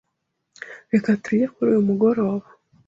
Reka turye kuri uyu mugoroba.